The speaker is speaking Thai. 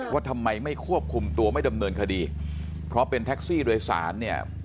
ว่าทำไมไม่ควบคุมตัวไม่ดำเนินคดีเพราะเป็นแท็กซี่โดยสารเนี่ย